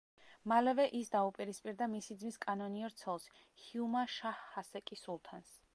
მალევე ის დაუპირისპირდა მისი ძმის კანონიერ ცოლს, ჰიუმა შაჰ ჰასეკი სულთანს.